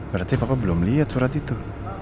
berarti papa belum liat surat itu